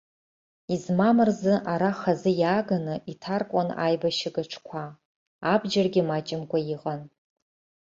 Измам рзы ара хазы иааганы иҭаркуан аибашьыга ҽқәа, абџьаргьы маҷымкәа иҟан.